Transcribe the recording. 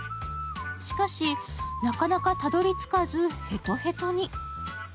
しかし、なかなかたどり着かずへとへとに。